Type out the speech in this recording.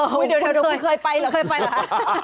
เออเดี๋ยวเดี๋ยวคุณเคยไปหรือคุณเคยไปหรือคะ